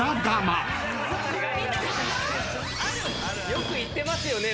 「よく行ってますよね」